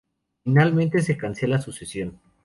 Finalmente se cancela su cesión.